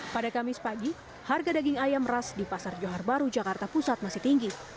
pada kamis pagi harga daging ayam ras di pasar johar baru jakarta pusat masih tinggi